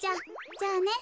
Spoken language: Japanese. じゃあね。